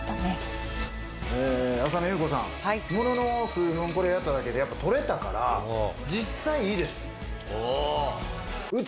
ものの数分これやっただけで取れたから実際いいです！